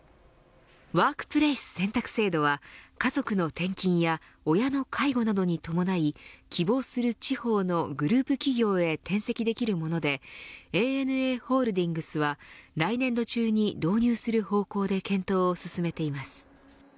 ワークプレイス選択制度は家族の転勤や親の介護などに伴い希望する地方のグループ企業へ転籍できるものでＡＮＡホールディングスは来年度中に導入する方向で検討を進めています。